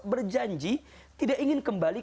berjanji tidak ingin kembali